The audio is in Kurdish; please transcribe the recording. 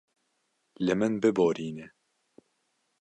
Li min biborîne.